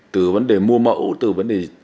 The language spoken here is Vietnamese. từ vấn đề mua mẫu từ vấn đề